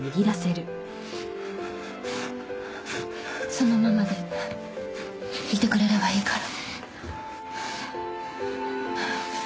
そのままでいてくれればいいから。